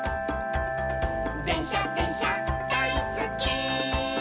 「でんしゃでんしゃだいすっき」